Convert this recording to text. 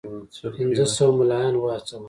پنځه سوه مُلایان وهڅول.